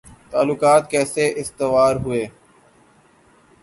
تعلقات کیسے استوار ہوئے